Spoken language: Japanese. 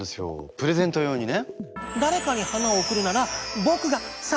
プレゼント用にね。